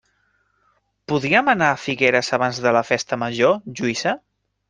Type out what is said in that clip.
Podríem anar a Figueres abans de la festa major, Lluïsa?